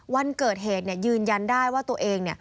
วันเกิดเหตุยืนยันได้ว่าตัวเอง